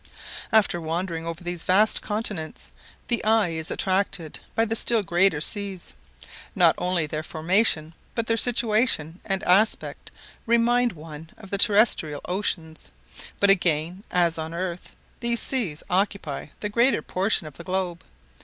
After wandering over these vast continents, the eye is attracted by the still greater seas. Not only their formation, but their situation and aspect remind one of the terrestrial oceans; but again, as on earth, these seas occupy the greater portion of the globe.